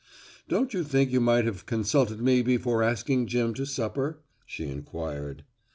"Don't you think you might have consulted me before asking Jim to supper?" she inquired.